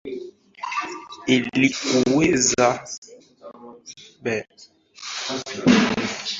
ili kuweza kuzifanya kinga za mwili ziweze kupambana na maradhi yanayoaribu kinga ya mwili